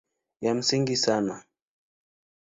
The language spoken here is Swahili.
Ya msingi sana